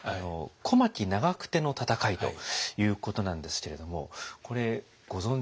小牧・長久手の戦いということなんですけれどもこれご存じ？